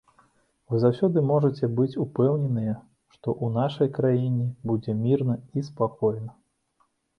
Вы заўсёды можаце быць упэўненыя, што ў нашай краіне будзе мірна і спакойна.